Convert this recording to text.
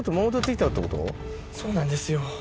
そうなんですよ。